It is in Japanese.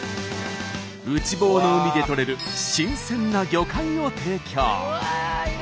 内房の海でとれる新鮮な魚介を提供。